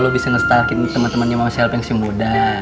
atau lu bisa nge stalkin temen temennya mama selep yang masih muda